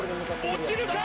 落ちるか？